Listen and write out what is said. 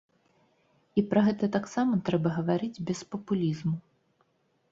І пра гэта таксама трэба гаварыць без папулізму.